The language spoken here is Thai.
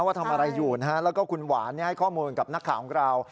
ว่าทำอะไรอยู่นะฮะแล้วก็คุณหวานให้ข้อมูลกับนักข่าวของเรา